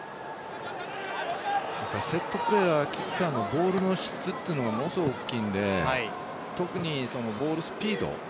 セットプレーはキッカーのボールの質というのがものすごく大きいので特にボールスピード。